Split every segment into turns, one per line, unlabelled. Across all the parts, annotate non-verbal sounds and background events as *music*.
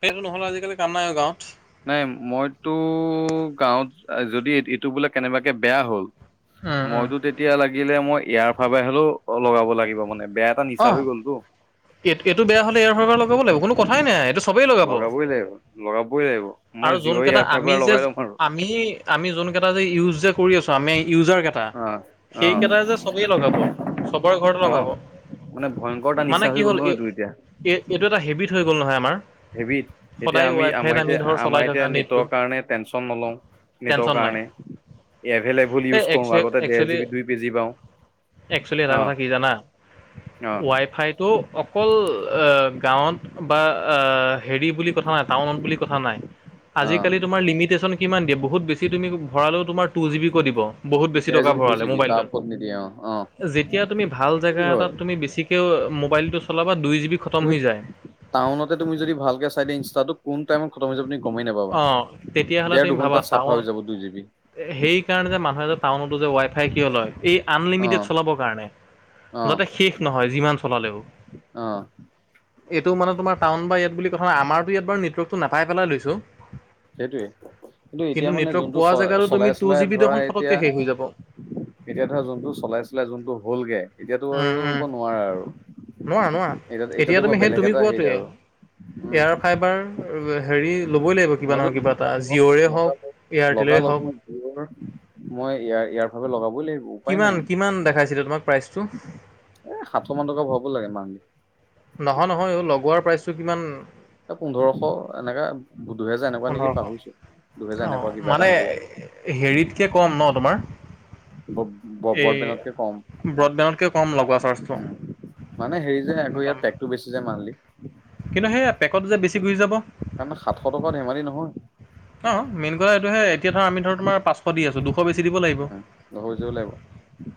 সেইটো নহ'ল আজিকালি কাম নাই গাঁৱত।
নাই মইতো গাঁৱত যদি এইটো বোলে কেনেবাকে বেয়া হ'ল।
উম, উম,
মইতো তেতিয়া লাগিলে মই ইয়াৰ ফাবাই হ'লেও লগাব লাগিব মানে। বেয়া এটা নিচা হৈ
অ'।
গ'লতো।
এই এইটো বেয়া ইয়াৰ ফাবাই লগাব লাগিব কোনো কথাই নাই, এইটো চবেই লগাব
লগাবই লাগিব লগাবই লাগিব মই
আৰু
জিঅ'
যোনকেইটা
এয়াৰ
আমি
ফাইবাৰ
যে
লগাই ল'ম আৰু
আমি আমি যোন কেইটা যে ইউজ যে কৰি আছো আমি ইউজাৰ কেইটা
অ অ
সেইকেইটাই যে সবেই লগাব চবৰে ঘৰত লগাব।
মান ভয়ংকৰ এটা
মানে
নিচা হৈ
কি
গ'ল
হ'ল
ন এইটো এতিয়া
এই-এই-এইটো এটা হেবিট হৈ গ'ল নহয় আমাৰ।
হেবিট এতিয়া
সদায়
আমি
ৱাই ফাইত
আমাৰ
আমি
এতিয়া
ধৰ চলাই
আমাৰ এতিয়া
থকা নেটটো
নেটৱৰ্ক কাৰণে টেনচন নলওঁ। নেটৰ
টেনচন নাই
কাৰণে এভেইলেবল
এই
ইউজ
একচুৱেলি
কৰো, আগতে দেৰ
একচুৱেলি
জি বি দুই পে জি পাওঁ।
একচুৱেলি এটা
অ
কথা কি জানা
অ
ৱাই ফাইত ত' অকল গাঁৱত বা হেৰি বুলি কথা নাই, টাউনত বুলি কথা নাই,
অ
আজিকালি তোমাৰ লিমিটেশ্যন কিমান দিয়া বহুত বেছি তুমি ভৰালেও তোমাৰ তু জিবিকৈ দিব। বহুত বেছি
ডেৰ
টকা
জি বি দুই
ভৰালে
জি বি তাৰ
মোবাইলটোত,
ওপৰত নিদিয়ে অ অ
যেতিয়া তুমি ভাল
কি
জেগা
হয়
এটাত তুমি বেছি মোবাইল টো চলাবা দুই জি বি খতম
তুমি
হৈ যায়
টাউনতে তুমি যদি ভালকে *unintelligible* কোন টাইমত খম হৈ যাব গমেই নাপাবা।
অ তেতিয়াহ'লে
ডেৰ
তুমি ভাবা
দুঘণ্টাত চাফা
টাউন
হৈ যাব দুই জিবি
সেই কাৰণে যে মানুহে যে টাউনতো যে ৱাইফাই কিয় লয়, এই
অ
আনলিমিটেড চলাবৰ কাৰণে।
অ
যাতে শেষ নহয় যিমান চলালেও।
অ
এইটো মানে তোমাৰ টাউন বা ইয়াত বুলি কথা নাই, আমাৰটো ইয়াত বাৰু নেটৱৰ্কটো নাপাই পেলাই লৈছো।
সেইটোৱে কিন্তু এতিয়া মানে
নেটৱৰ্ক
যোনটো
পোৱা
চ
জেগাতো তুমি
চলাই
টু
চলাই
জি বি
ধৰা
দেখোন
এতিয়া
ফটককৈ শেষ হৈ যাব।
এতিয়া ধৰা যোনটো চলাইছিলে যোনতটো হ'লগে। এতিয়াতো
উম,
আৰু
উম,
নোৱাৰা আৰু
নোৱাৰা নোৱাৰা
এতিয়া এতিয়াতো
তুমি
ব
সেই
বেলেগ
তুমি
এটা হেৰিত
কোৱাটোৱে
আৰু উম
এয়াৰ ফাইবাৰ হেৰি ল'বই লাগিব কিবা
মই *unintelligible*
নহয় কিবা এটা
লগা
জিঅ'ৰে হওক
লগ লগা
এয়াৰটেলেই
লগ
হওক
মই মই ইয়াৰ ইয়াৰ ফাইবাৰ লগাবই লাগিব। উপায়
কিমান
নাই,
কিমান দেখাইছিলে তোমাক প্ৰাইচটো?
এ সাতশ মান টকা ভৰাব লাগে মান লি
নহয় নহয় অ লগোৱাৰ প্ৰাইচটো কিমান?
এ পোন্ধৰশ এনেকা দুহেজাৰ এনেকুৱা নেকি
পোন্ধৰশ
পাহৰিছো। দুহেজাৰ
অ
এনেকুৱা কিবা এটা
মানে
হ'ব
হেৰিতকে কম ন তোমাৰ? এই
*unintelligible* কে কম।
ব্ৰডবেণ্ডতকৈ কম লগোৱা চাৰ্জটো
মানে হেৰি যে আকৌ
একদম
ইয়াত পটেকতটো বেছি যে মানলি।
কিন্তু সেই পেকত যে বেছি ঘূৰি যাব।
তমানে সাতশ টকা ধেমালি নহয়।
এতি ধৰ আমি ধৰ তোমাৰ পাশ দি আঁছো দুখ
উ হৈ য লাগিব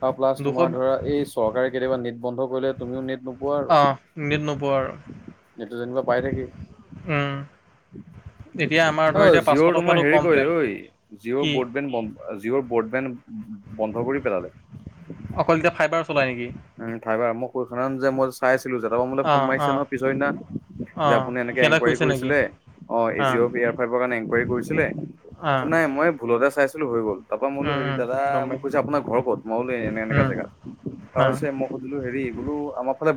আৰু প্লাছ
দুশ
তোমাৰ ধৰা এই চৰকাৰে কেতিয়াবা নট বন্ধ তুমিও নেট নোপোৱা
অঁ
আৰু
নেট নোপোৱা আৰু
নেটটো যেনিবা পাই থাকি
উম *inaudible*
অ
এতিয়া পাঁচশ
জিঅ'ৰ
টকাটো
তোমাৰ হেৰি
কম প্লেন
কৰিলে ঐ জিঅ'ৰ
কি
ব্ৰডবেণ্ড জিঅ'ৰ ব্ৰডবেণ্ড বন্ধ কৰি পেলালে।
অকল এতিয়া ফাইবাৰ চলাই নেকি?
উম ফাইবাৰ মই কৈছ ন যে মই য চাইছিলো যে মোলে ফোন
অঁ
মাৰিছে
অঁ
নহয় পিছৰদিনা। যে
অঁ
আপুনি এনেকে
সিহঁতে
এনকুৱাৰী
কৈছে নেকি
কৰিছিলে অ
অঁ
এজিঅ'য়াৰ ফাইভৰ এংকুৱাৰী কৰিছি,
অঁ
পাছত নাই মই ভুলতে চাইছিলো হৈ গ'ল। তাৰ পৰা মইলো হেৰি দাদা
গম
মোক কৈছে আপোনাৰ ঘৰ ক'ত? মই বোলো এনে এনেকা
পাইছোঁ
জেগাত। তাৰ
অঁ
মই সুধিলো হেৰি বোলো আমাৰ ফালে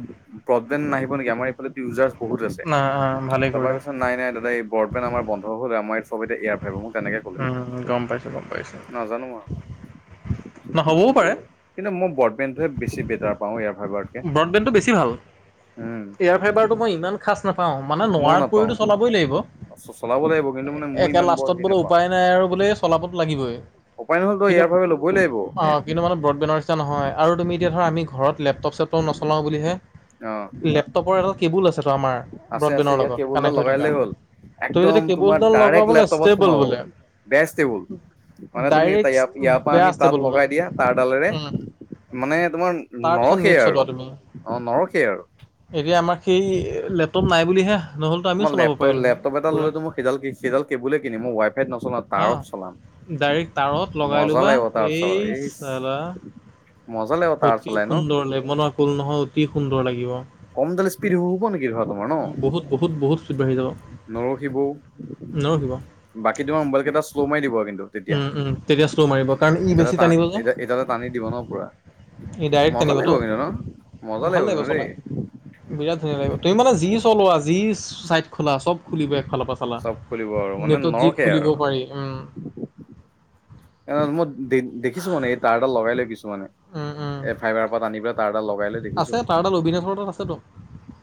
প্ৰব্লেম নাহিব নেকি আমাৰ ইজাৰছ বহুত আছে
অঁ অঁ ভালেই
তাৰ পৰা
কৰিলা
কৈছ নাই নাই দাদা এই ব আমাৰ বন্ধ হ'ল আমাৰ ইয়ত চ'ব এয়াৰা মোক তেনেকে কলে
উম গম পাইছোঁ গম পাইছোঁ
নাজানো আৰু।
নহ'বও
কিন্ত
পাৰে
কিন্তু মই ব্ৰডবেনটোহে বেছি বেটাৰ পাওঁ ইয়াৰ
ব্ৰডবেণ্ডটো বেছি ভাল
উম
এয়াৰ ফাইবাৰটো মই ইমান খাষ্ট নাপাও মানে
ময়ো
নোৱাৰাত
নাপাওঁ
পৰিতো চলাবই লাগিব।
চলাব লাগিব কিন্তু মানে মই
একে
ইমান বৰ
লাষ্টত
হেৰি
বোলে
নাপাওঁ
উপায় নাই আৰু বোলে চলাবতো লাগিবই।
উপায় নহ'ল তই
কিন্তু
এয়াৰ ফাইবাৰ ল'বই লাগিব
অ' কিন্তু মানে ব্ৰড বেনৰ ইচ্ছা নহয়। আৰু তুমি এতিয়া ধৰা আমি ঘৰত লেপ চপ
অ
লেপটপৰ এটা কেবুল আছে।
আছে আছে ইয়াত কেবুলডাল লগাইলেই হ'ল।
তুমি
একদম
যদি
তোমাৰ
কেবুলডাল
ডাইৰেক্ট
লগাবলে
লেপটপত
ষ্টেবল
সোমাব।
বোলে
বেজ টেবুল মানে তুমিয়
ডাইৰেক্ট
ইয়াৰ পৰা
বেয়া
আনি তাত
ষ্টেবল বোলে।
লগাই দিয়া তাৰ ডালেৰে।
উম,
মানে তোমাৰ
তাৰপিছত
নৰসে
নেট
আৰু
চলোৱা তুমি।
অ' নৰসে আৰু।
এতিয়া আমাৰ সেই লেপটপ নাই বুলিহে। নহ'লেতো আমিও
মই
চলাব
লেপটপ
পাৰিলোঁ হয়
লেপটপ এটা
পুৰা।
ল'তো মোক সি সিডাল কেবুল কিনি মই ৱাইফ ন
আহ ডাইৰেক্ট তাৰত লগাই
মজা
লোবা
লাগিব তাঁৰত চলাই
এই
ইচ
চাবা।
মজা লাগিব তাঁৰত
অতি
চলাই ন
সুন্দৰ লেবনৰ কল নহয় অতি সুন্দৰ লাগিব।
কম দালি স্পীড হ'ব নেকি ধোৱা তোমাৰ
বহুত
ন'।
বহুত বহুত স্পীড বাঢ়ি যাব
নৰখিবৌ
নৰখিব।
বাকী তোমাৰ মোবাইল কেইটা শ্ল' মাৰি দিব কিন্ত তেতিয়া
উম, উম, তেতিয়া শ্ল' মাৰিব কাৰণ ই বেছি টানিব যে,
এদলে এদলে টানি দিব ন' পুৰা।
ই ডাইৰেক্ট
মজা
টানিবতো।
লাগিব কিন্তু ন, মজা
ভাল
লাগিব কিন্তু
চলাই,
দেই।
বিৰাট ধুনীয়া লাগিব, তুমি মানে যি চলোৱা যি চাই খোলা, চব খুলিব এক ফালৰ পা চালা
চব খুলিব আৰু মানে
নেটত যি
নৰখে
খুলিব
আৰু
পাৰি উম্।
মই দে দেখিছো মানে এই তাঁৰডাল লগাই লৈ কিছুমানে
উম, উম,
এ, ফাইবাৰৰ পৰা টানি পেলাই তাঁৰডাল লগাই লৈ দেখিছো
আছে তাৰ তাত, অবিনাশৰ তাত আছেতো।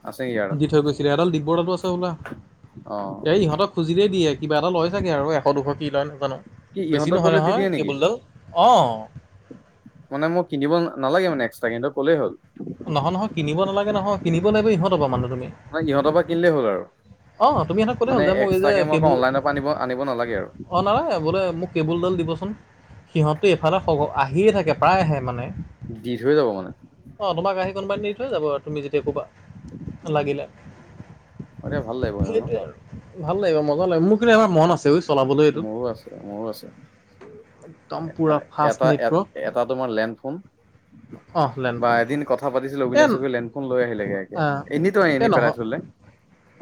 আছে নেকি ইয়াত
দি থৈ গৈছিলে এডাল দিব্যৰ তাটো আছে হ'বলা?
অ
এই ইহঁতক খুজিলই দিয়ে। কিবা এটা লয় ছাগে আৰু এশ দুশ কি লয়
কি
বেছি
ইহঁতক
নহয়,
ক'লে দি
নহয়
দিয়ে নেকি
কেবুলডাল অ'।
মানে মোক কিনিব নালাগে মানে এক্সট্ৰ সিহঁতক ক'লেই হ'ল।
নহয়, নহয় কিনিব নালাগে নহয়, কিনিব লাগিব ইহঁতৰ পৰা মানে তুমি।
মানে সিহঁতৰ পৰা কিনিলেই হ'ল আৰু।
অ' তুমি সিহঁতক ক'লেই
মানে
হ'ল, যে মোৰ এই যে
এক্সট্ৰাকে মই আকৌ
কেবুল
অনলাইনৰ পৰা আনিব আনিব নালাগে আৰু
অ', নহয় বোলে মোক কেবুলডাল দিবচোন, সিহঁতটো এফালে আহিয়ে থাকে। এতিয়া প্ৰায় আহে মানে।
দি থৈ যাব মানে।
অ', তোমাক আহি কোনোবাই দি থৈ যাব আৰু তুমি যেতিয়া ক'বা লাগিলে।
ম ভাল *unintelligible*
সেইটোয়ে আৰু, ভাল লাগিব মজা লাগিব, মোৰ কিন্তু এবাৰ মন আছে চলাবলৈ এইটোত
মোৰো আছে, মোৰো আছে।
একদম
এ
পূৰা ফাষ্ট
এটা, এ
নেটৱৰ্ক
এটা তোমাৰ লেণ্ডফোন।
অহ
বা
লেণ্ডফোনটো
এদিন কথা পাতিছিলো,
এ
অবিনাশে গৈ লেণ্ডফোন লৈ আহিলেগে একে এনেইতো আনি পেলাই থ'লে।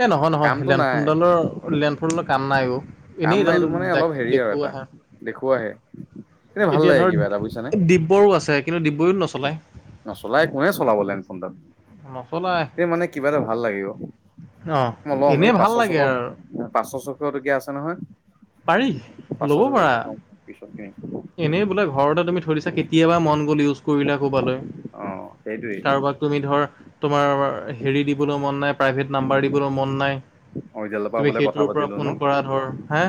এ নহয়, নহয়
কামটো নাই
লেণ্ডফোনডালৰ, লেণ্ডফোনডালৰ কাম নাই অ'। এনেই
কাম নাই
এইডাল
এইটো মানে অলপ হেৰি আৰু
দেখুওৱা
এটা
হে।
দেখুৱাহে এনে ভাল
এতিয়া
লাগে
ধৰ
কিবা এটা বুজিছানে
দিব্যৰো আছে, কিন্তু দিব্যইও ন
নচলাই, কোনে চলাব লেণ্ডফোনডাল।
নচলাই
এ মানে কিবা এটা ভাল লাগে অ'।
অ
মই ল'ম, এই
এনেই ভাল
পাঁচশ
লাগে
ছশ,
আৰু
পাঁচশ ছশ টকীয়া আছে নহয়।
পাৰি,
পাঁচশ
ল'ব পাৰা।
ছশটকীয়া ল'ম পিছত কিনিম
এনেই বোলে ঘৰতে তুমি থৈ দিছা। কেতিয়াবা মন গ'ল ইউজ কৰিলা ক'ৰবালৈ।
অ সেইটোৱেই
কাৰোবাক তুমি ধৰ তোমাৰ হেৰি দিবলৈ মন নাই, প্ৰাইভেট নাম্বাৰ দিবলৈ মন নাই।
অৰিজিনেলৰ পৰা
তুমি
বোলে কথা
সেইটোৰ পৰা
পাতিলো ন
ফোন কৰা ধৰ, হা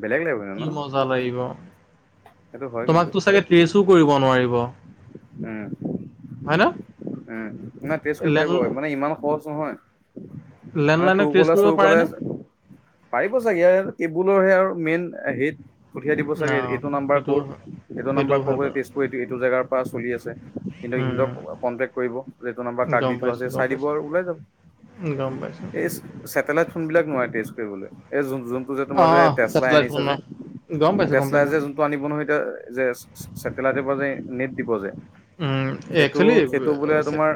বেলেগ লাগিব কিন্তু ন
কি মজা লাগিব।
সেইটো হয় কিন্তু
তোমাকতো চাগে ত্ৰেছো কৰিব নোৱাৰিব।
উম,
হয় ন
উম, নাই ত্ৰেছ কৰিব
লেন
পাৰিব। মানে ইমান সহজ নহয়। মানে
লেণ্ডলাইনক ট্ৰেছ
ত্ৰুকলাৰে
কৰিব
চ্ৰুকলাৰে,
পাৰেনে
পাৰিব চাগে কেবুলৰহে আৰু। মেইন হেৰিত পঠিয়াই দিব
না
চাগে। এইটো নাম্বাৰ
সেইটো
ক'ৰ? এইটো নম্বাৰ
সেইটোও
ক'ৰ হয়?
বাৰু
ত্ৰেছ কৰি এইটো জেগাৰ পৰা চলি আছে। সিহঁতে ইহঁতক
উম
কনটেক কৰিব। যে এইটো নাম্বাৰ কাক দি
গম
থোৱা
পাইছো
আছে
গম
চাই দিব আৰু
পাইছো গম পাইছো
এই চেটেলাইট ফোনবিলাক নোৱাৰে ত্ৰেছ কৰিবলৈ। যোনবিলাক যে তোমাৰ
অ
যে
অ
তেচলাই
চেটেলাইট
আনিছে যে।
ফোনৰ গম পাইছো গম
তেচলাই
পাইছো
যে যোনটো আনিব নহয়। যে চেটেলাইটৰ পৰা যে নেট দিব যে।
উম,
সেইটো,
একচুৱেলি
সেইটো বোলে
চে
তোমাৰ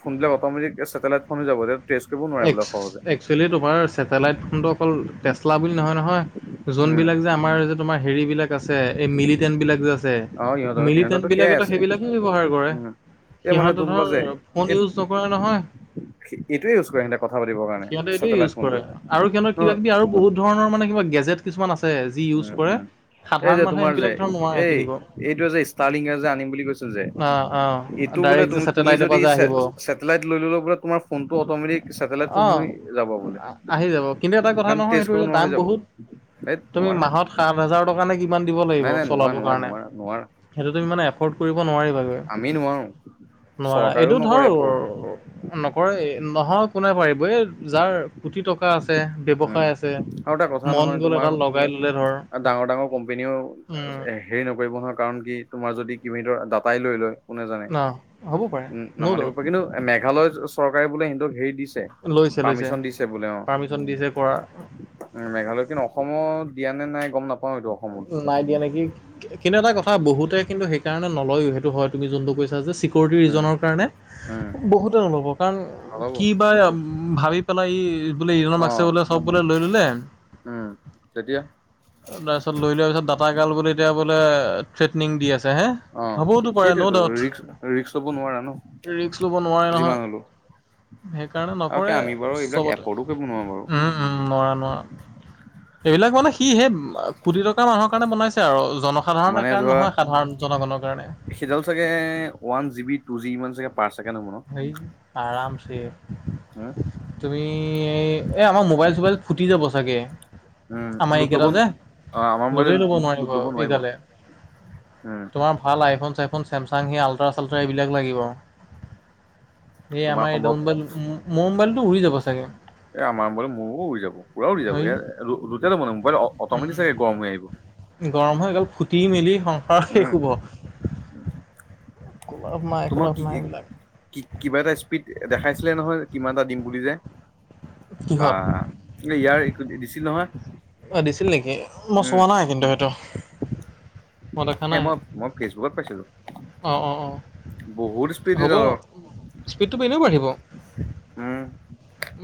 ফোনবিলাক অট'মেটিক চেটেলাইট ফোন হৈ যাব। টেষ্ট কৰিব নোৱাৰে বোলে সহজে
একচোৱেলি তোমাৰ চেটেলাইট ফোনটো অকল টেচলা বুলি নহয়, নহয়।
উম
যোনবিলাক যে আমাৰ যে তোমাৰ হেৰি বিলাক আছে। এই মিলিটেন বিলাক যে আছে।
আৰু ইহঁতৰ
মিলিটেন
ইহঁতৰতো সেয়াই
বিলাকেটো
আছে
সেইবিলাকে ব্যৱহাৰ কৰে।
উম, এই মানে
সিহঁতে
কোনোবা
ধৰ,
যে
ফোন
এই
ইউজ নকৰে নহয়।
এইটোৱে ইউজ কৰে সিহঁতে কথা পাতিবৰ কাৰণে
সিহঁতে এইটোয়ে ইউজ
চেটেলাইট
কৰে।
ফোনটো।
আৰু সিহঁতৰ কিবা
অ',
কিবি আৰু বহুত ধৰণৰ মানে কিবা গেজেট কিছুমান আছে। যি ইউজ
উম,
কৰে।
উম। এই
সাধাৰণ
যে
মানুহে
তোমাৰ যে,
সেইবিলাক ধৰ নোৱাৰে
এই
কিনিব।
এইটোৱে যে ষ্টাৰ লিং যে আনিম বুলি কৈছিল যে।
অ', অ',
টো বোলে
ডাইৰেক্ট
তু
যে
তুমি
ছেটেলাইটৰ
যদি
পৰা যে আহিব।
চেটালাইক লৈ ললে তুমাৰ ফোনটো অট'মেটিক চেটেলাইট ফোন
অ',
হৈ যাব বোলে
আহি যাব কিন্তু এটা কথা
কাৰণ
নহয়
টেষ্ট
সেইটো
কৰিব
যে
নোৱাৰা
দাম
হৈ যাব।
বহুত
এই
তুমি
নোৱাৰা
মাহত সাত হাজাৰ টকা নে কিমান দিব লাগিব
নাই নাই
চলাব
নোৱাৰা নোৱাৰা
কাৰনে
নোৱাৰা নোৱাৰা
সেইটো তুমি এফৰ্ড কৰিব নোৱাৰিবা-
আমি নোৱাৰো।
নোৱাৰা
চৰকাৰেও
এইটো ধৰ
নকৰে এপৰ্ট
নকৰে নহক একো নাই পাৰিব এই যাৰ কোটি টকা আছে
উম,
ব্যৱসায় আছে
আৰু এটা কথা
মন
নহয়
গ'ল
তোমাক
এটা লগাই ললে ধৰ
ডাঙৰ ডাঙৰ কোম্পেনীও
উম
হেৰি নকৰিব নহয় কাৰণ কি তোমাৰ যদি কিবি ধৰ ডাটাই লৈ লয় কোনে জানে
ন হ'ব পাৰে
উম
ন'
নামানিব
ডাউট
প কিন্তু মেঘালয় চৰকাৰে বোলে সিহঁক হেৰি দি
লৈছে লৈছে
পাৰ্মিচন দিছে বোলে অ',
পাৰ্মিশন দিছে কৰা
উ মেঘালয় কিন্তু অসমত দিয়া নে নাই গম নাপাওঁ
নাই দিয়া নেকি কিন্তু এটা কথা বহুতে কিন্তু- সেই কাৰণে নলয়ো সেইটো হয় তুমি যোনটো কৈছা যে চিকিউৰিটি
উম
ৰিজনৰ কাৰণে-
উম
বহুতে নল'ব কাৰণ
নহ'ব
কি বা ভাবি পেলাই ই বোলে ইণ
অ
বাক্ছে বোলে চব- বুলে লৈ ললে
উম তেতিয়া
পিছত লৈ লোৱাৰ পিছত দাটা গাল বুলে এতিয়া বোলে থ্ৰেটনিং দি আছে হে
অ
হ'বওতো পাৰে ন'
সেইটোৱেতো
ডাউট
ৰিক্স ৰিক্স ল'ব নোৱাৰা ন
ৰিস্ক ল'ব নোৱাৰে নহয়
যিমান হ'লেও
সেইকাৰণে
আৰু
নকৰে
সেই আমি বাৰু এইবিলাক
চবতে
এফৰ্ডো কৰিব নোৱাৰো বাৰু
উম উম নোৱাৰা নোৱাৰা এইবিলাক মানে, সি সেই কোটি টকা মানুহৰ কাৰণে বনাইছে আৰু জনসাধাৰণৰ
মানে
কাৰণে
ধৰা
নহয় সাধাৰণ জনগণৰ কাৰণে
সেইডাল চাগে one G B two G মান পাৰছেকেন্দ
হে, আৰামছে
হম
তুমি এ আমাৰ মোবাইল মবাইল ফুটি যাব চাগে
উম,
আমাৰ
লোট ল'ব
এইকেইটা যে
ন- অ', আমাৰ মোবাইলে
লোদেই ল'ব
লোট
নোৱাৰিব
ল'ব
এইগালে
উম,
তোমাৰ ভাল আইফোন চাইফোন ছেমচাং সি আল্ট্ৰা চাল্ট্ৰা এইবিলাক লাগিব এই
তোমাৰ
আমাৰ
সম্ভৱ
এইডাল মোাইল মোৰ মো্বাইলতটো উৰি যাব চাগে
এ আমাৰ মোৰো উৰি যাব পুৰাও উৰি যাব
হেৰি
এ *unintelligible* মানে মোবাইল অতমেটিক চাগে গৰম হৈ আহিব।
গৰম হৈ গ'ল, ফুটি মেলি সংসাৰ শেষ হ'ব। একো লাভ নাই একো
তোমাক
লাভ
কি
নাই এইবিলাক
কি, কিবা এটা স্পীড দেখাইছিলে নহয়, কিমান এটা দিম বুলি যে,
কিহত
বাহ ইয়াৰ একো দিছিল নহয়।
দিছিল নেকি? মই
উম,
চোৱা নাই কিন্তু সেইটো।
এই মই, মই ফেচবুকত পাইছিলোঁ।
অ', অ', অ'।
তি *unintelligible*
বাঢ়িব
উম।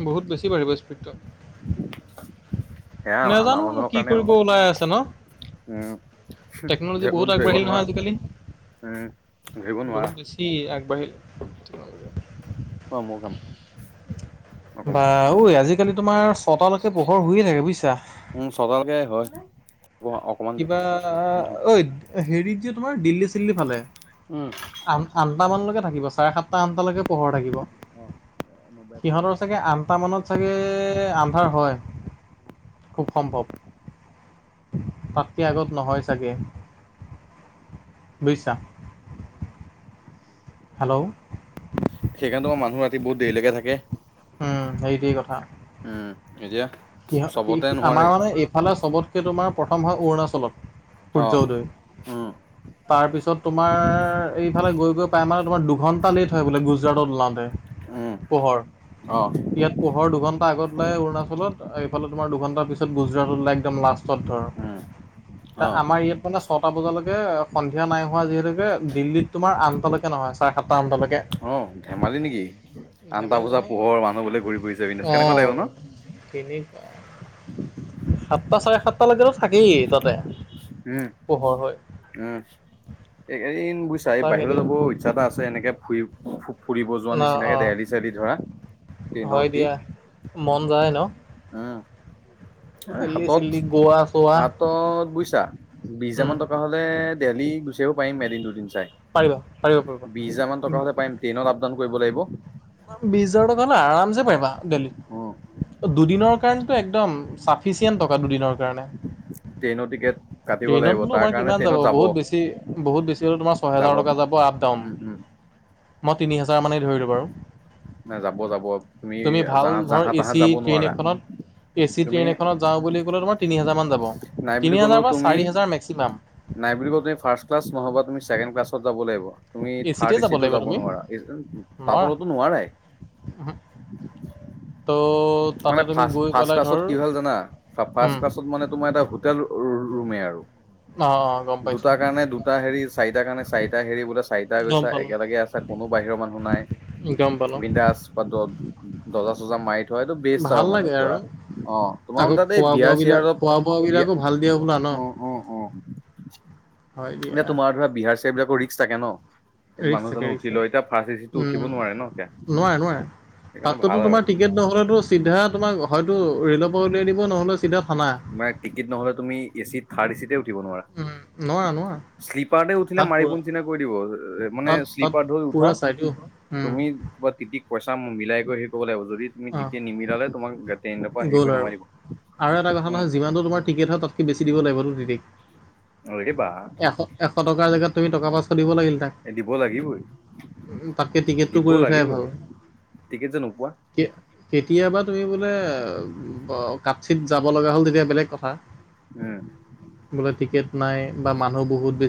বহুত বেছি বাঢ়িব স্পিদটো।
সেইয়া আমাৰ মানুহৰ কাৰণেও
ওলাই আছে ন
হুহ,
টেকন'লজি বহুত
এইবোৰত ধৰিব
আগবাঢ়িল
নোৱাৰা।
নহয় আজিকালি
উম। ধৰিব
বহুত
নোৱাৰা।
বেছি আগবাঢ়িল।
অ', মোৰ কাম। অকমান।
বাহ ঐ, আজিকালি তোমাৰ ছটালৈকে পোহৰ হৈয়েই থাকে, বুজিছা?
উম, ছটালৈকে হয়। অকমান
কিবা
উম।
ঐ হেৰিত যে, তোমাৰ দিল্লী চিল্লীৰ ফালে। আ আঠটামানলৈকে থাকিব, চাৰে সাতটা আঠটালৈকে পোহৰ থাকিব,
মুম্বাইৰ ফালে
সিহঁতৰ
নহয়।
চাগে আনটা মানত চাগে আন্ধাৰ হয়, খুব সম্ভৱ। তাতকে আগত নহয় চাগে, বুজিছা? হেল্ল'
সেইকাৰণেতো আমাৰ মানুহ ৰাতি বহুত দেৰিলৈকে থাকে।
উম, সেইটোৱেই কথা।
উম, এতিয়া
সি,
চবতে
আমাৰ
নোৱাৰে।
মানে এইফালে চবতকে তোমাৰ প্ৰথম হয় অৰুণাচলত।
অ',
সূৰ্য্যউদয়।
উম,
তাৰপিছত তোমাৰ এইফালে গৈ গৈ পাই মানে তোমাৰ দুঘণ্টা লেট হয় বোলে, গুজৰাটত ওলাওঁতে।
উম,
পোহৰ,
অ',
ইয়াত পোহৰ দুঘন্টা আগত উলাই অৰুণাচলত। সেইফাল তোমাৰ দুঘণ্টা পিছত গুজৰাটত উলাই, একদম লাষ্ট চত ধৰ,
উম, অ',
আমাৰ ইয়াত মানে ছটা বজালৈ কে সন্ধিয়া নাই হোৱা যিহেতুকে, দিল্লীত তোমাৰ আনতা লৈকে নহয়, চাৰে সাত
অ', ধেমালি নেকি আনটা
ধেমালি
বজাত
নহয়
পোহৰ, মানুহ বোলে ঘূৰি ফুৰিছে বিনদাচ, কেনেকুৱা লাগিব ন'?
তেনেকুৱাই। সাতটা চাৰে সাতটা লৈকেো থাকেই তাতে, পোহৰ হৈ।
এইকাৰণে বাহিৰত যাব ইচ্ছা এটা আছে, এনেকে ফুৰি ফুৰিব যোৱা
ন
নিচিনাকে
অঁ
দেহলি চেলহি ধৰা
হয়
ট্ৰেইনত উঠি,
দিয়া মন যায় ন
উম। এই
দিল্লী
হাতত,
চিল্লী গোৱা চোৱা
হাতত বুজিছা। বিশ হাজাৰ
উম
মান টকা হ'লে, দেলহি গুচি আহিব পাৰিম এদিন দুদিন চাই।
পাৰিবা, পাৰিবা,
বিশ হাজাৰ মান
পাৰিবা।
হ'লে পাৰিম, টেইনত আপডাউন কৰিব লাগিব।
বিশ হাজাৰ টকা হ'লে আৰামছে পাৰিবা
উম
দেলহিত। দুদিনৰ কাৰণ একদম, চাফিচিয়েণ্ট টকা দুদিনৰ কাৰ
ট্ৰেইনৰ টিকেট কাটিব
ট্ৰেইনতো
লাগিব
তোম
তাৰ কাৰণে
কিমান যাব
ট্ৰেইনত
বহুত বেছি, বহুত বেছি হ'লেওঁ তোমাৰ ছহেজাৰ টকা যাব আপ ডাউন,
উম উম
মই তিনি হোজাৰ মানেই ধৰিলোঁ বাৰু।
নাই যাব যাব
তুমি ভাল
জাহ
ধৰ
জাহা তাহা
এচি
যাব
ট্ৰেইন
নোৱাৰা
এখনত এ চি
তুমি
ট্ৰেইন এখনত যাওঁ বুলি ক'লে, তোমাৰ তিনি হাজাৰ মান যাব,
নাই
তিনি
বুলি
হাজাৰ
ক'লেও
বা
তুমি,
চাৰি হাজাৰ মেক্সিমাম
নাই বুলি ক তুমি ফাৰ্ষ ক্লাছ নহবা তুমি ছেকেণ্ড ক্লাছত যাব লাগিব। তুমি
এ
থাৰ্ড
চিতে যাব
ইতি টো
লাগিব তুমি
নোৱাৰা
নোৱাৰা
পাবলতো নোৱাৰাই।
উহু। ত' তাতে
মানে,
তুমি গৈ
ফাচট
পেলাই
ক্লাছ ত
ধৰ
কি হ'ল জানা ফ্ষ
উম,
ক্লাত মানে তোমাৰ এটা হোটেল ৰো ৰুমে আৰু।
অ', অ', গম পাইছোঁ।
দুটাৰ কাৰণে দুটা হেৰি চাৰিটাাৰ কাৰণে চাৰিটা হেৰি বোলে চাৰিটা
গম
গৈছা
পালোঁ,
একেলগে আছে। কোনো বাহিৰৰ মানুহ নাই,
গম পালোঁ
বিন্দাস পটত দৰ্জা-চৰজা মাই
ভাল লাগে আৰু
তোমাৰ মানে
আকৌ
তাত এই
খোৱা
বিহাৰ
বোৱা
চিহাৰ
বিলাক
অলপ
খোৱা, বোৱ
বিয়া
বিলাকো ভাল দিয়া হ'বলা ন। অ,
*unintelligible* এই তোমাৰ ধৰা বিহাৰ-চিহাৰত এইবাক ৰিক্কচ থাকে ন। এই
ৰিক্স থাকে
মানুহজন
ৰিক্স
উঠি
থাকে।
লয়, এতিয়া ফাৰ্ষ্ট চিতটো উঠিব নোৱাৰে ন এতিয়া। সেইকাৰণে
তাতটো
ভাল আৰু
তোমাৰ টিকেট নহ'লে চিধা তোমাক হয়তো ৰে'লৰ পৰা উলাই দিব নহ'লে চিধা থানা।
তোমাৰ টিকিট নহ'লে তুমি এ চিত থাৰ্ড এ চিতে উঠিব নোৱাৰা।
উম, নোৱাৰা নোৱাৰা।
শ্লিপাৰতে উঠিলে
তাত পুৰা
মাৰিবোন চিন্তা কৰি দিব, মানে
তাত তাত
শ্লিপাৰ ধৰি উঠা।
পুৰা চাইটো উম,
তুমি বা তিতিক পইচা মিলাই কৰি আহিব লাগিব যদি তুমি
অ'।
তিতিয়ে নিমিলালে তোমাক ট্ৰেইনৰ পৰা হেৰি
গ'ল
কৰি নমাই
আৰু
দিব
আৰু এটা কথা।
উম
নহয় যিমানটো তোমাৰ টিকেট হয় তাতকে বেছি দিব লাগিব টো‌ তিতিক।
অৰে বা
এশ, এশ টকাৰ জেগাত তুমি টকা পাচশঁ দিব লাগ
দিব লাগিবই
তাককে টিকেটটো
দিব
কৰি উঠাই ভাল।
লাগিবই টিকেট যে নোপোৱা
কে, কেতিয়াবা। তুমি বোলে, কাছিত যাব লগা হ'ল তেতিয়া বেলেগ কথা।
উম
বোলে টিকেট নাই বা মানুহ বহুত বেছি।